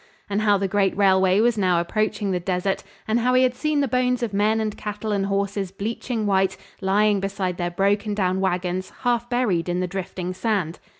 And how the great railway was now approaching the desert, and how he had seen the bones of men and cattle and horses bleaching white, lying beside their broken down wagons half buried in the drifting sand.